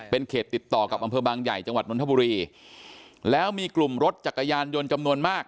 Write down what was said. เป็นเขตติดต่อกับอำเภอบางใหญ่จังหวัดนทบุรีแล้วมีกลุ่มรถจักรยานยนต์จำนวนมาก